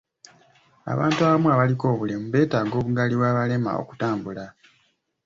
Abantu abamu abaliko obulemu beetaaga obugaali bw'abalema okutambula.